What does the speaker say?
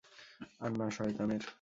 আর না শয়তানের।